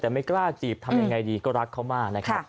แต่ไม่กล้าจีบทำยังไงดีก็รักเขามากนะครับ